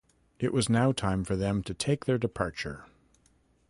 It was now time for them to take their departure.